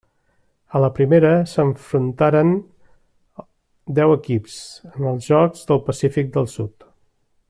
A la primera s'enfrontaren deu equips en els Jocs del Pacífic Sud.